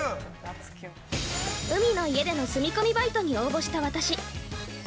◆海の家での住み込みバイトに応募した私。